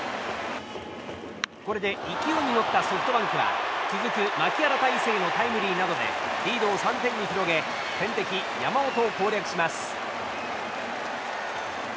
これで勢いに乗ったソフトバンクは続く牧原大成のタイムリーなどでリードを３点に広げ天敵、山本を攻略します。